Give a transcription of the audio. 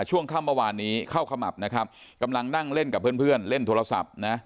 ช่วงข้ามประวันนี้เข้าขมับนะครับกำลังนั่งเล่นกับเพื่อนเล่นโทรศัพท์นะ